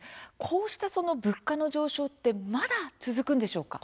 こうした物価の上昇ってまだ続くんでしょうか？